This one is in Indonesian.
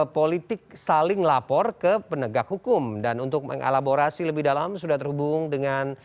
politik saling lapor ke penegak hukum dan untuk mengelaborasi lebih dalam sudah terhubung dengan